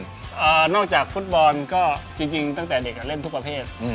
นอกจากฟุตบอลก็จริงตั้งแต่เด็กอ่ะเล่นทุกประเภท